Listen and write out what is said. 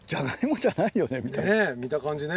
見た感じね。